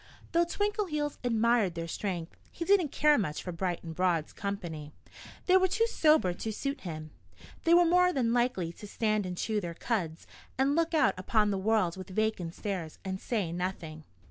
Though Twinkleheels admired their strength, he didn't care much for Bright and Broad's company. They were too sober to suit him. They were more than likely to stand and chew their cuds and look out upon the world with vacant stares and say nothing.